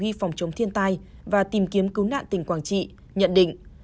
ban chỉ huy phòng chống thiên tai và tìm kiếm cứu nạn tỉnh quảng trị nhận định